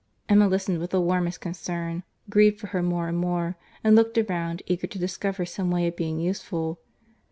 Emma listened with the warmest concern; grieved for her more and more, and looked around eager to discover some way of being useful.